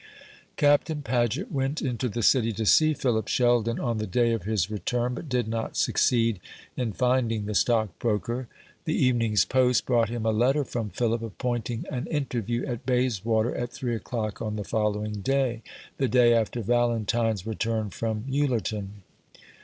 Captain Paget went into the City to see Philip Sheldon on the day of his return, but did not succeed in finding the stockbroker. The evening's post brought him a letter from Philip, appointing an interview at Bayswater, at three o'clock on the following day the day after Valentine's return from Ullerton.